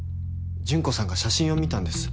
純子さんが写真を見たんです。